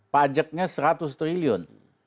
pajaknya seratus triliun